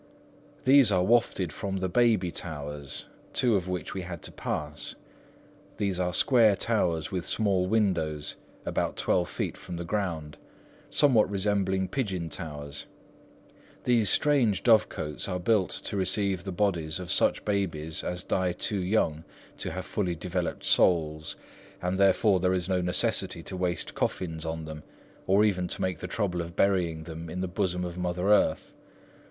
"These are wafted from the Baby Towers, two of which we had to pass. These are square towers, with small windows, about twelve feet from the ground, somewhat resembling pigeon towers; these strange dove cotes are built to receive the bodies of such babies as die too young to have fully developed souls, and therefore there is no necessity to waste coffins on them, or even to take the trouble of burying them in the bosom of mother earth.